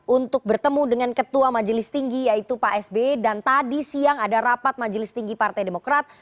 untuk bertemu dengan ketua majelis tinggi yaitu pak sbe dan tadi siang ada rapat majelis tinggi partai demokrat